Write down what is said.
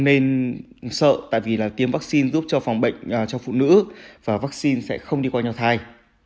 nên sợ tại vì là tiêm vaccine giúp cho phòng bệnh cho phụ nữ và vaccine sẽ không đi qua nho thai